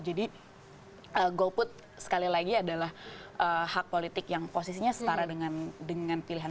jadi goput sekali lagi adalah hak politik yang posisinya setara dengan keadaan kita